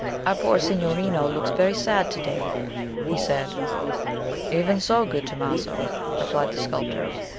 "Our poor signorino looks very sad to day!" he said. "Even so, good Tomaso," replied the sculptor.